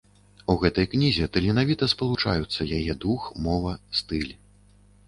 У гэтай кнізе таленавіта спалучаюцца яе дух, мова, стыль.